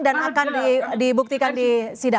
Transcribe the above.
dan akan dibuktikan di sidang